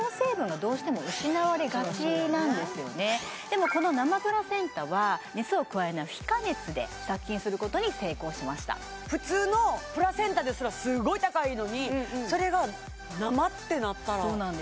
もこの生プラセンタは熱を加えない非加熱で殺菌することに成功しました普通のプラセンタですらすごい高いのにそれが生ってなったらそうなんです